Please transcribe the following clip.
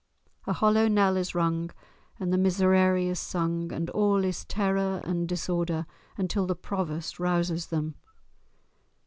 A hollow knell is rung and the miserere is sung, and all is terror and disorder until the Provost rouses them.